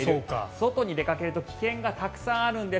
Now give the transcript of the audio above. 外に出かけると危険がたくさんあるんです。